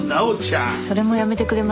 それもやめてくれます？